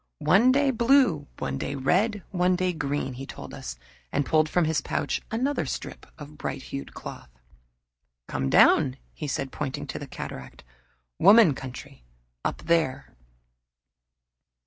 "One day blue one day red one day green," he told us, and pulled from his pouch another strip of bright hued cloth. "Come down," he said, pointing to the cataract. "Woman Country up there."